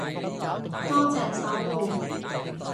多謝守護